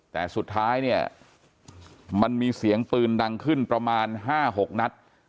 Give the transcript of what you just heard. แต่สุดท้ายเนี่ยมันมีเสียงปืนดังขึ้นประมาณ๕๖นัด